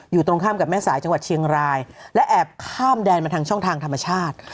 อยู่ตรงข้ามกับแม่สายจังหวัดเชียงรายและแอบข้ามแดนมาทางช่องทางธรรมชาติ